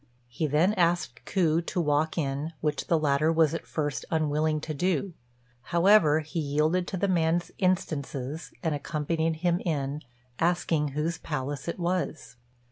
He then asked Ku to walk in, which the latter was at first unwilling to do; however, he yielded to the man's instances, and accompanied him in, asking whose palace it was.